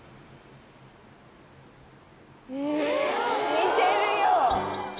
見てるよ！